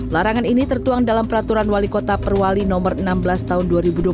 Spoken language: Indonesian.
larangan ini tertuang dalam peraturan wali kota perwali nomor enam belas tahun dua ribu dua puluh satu